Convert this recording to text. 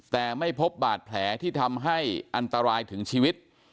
แต่ไม่พบบาดแผลที่ทำให้อันตรายถึงชีวิต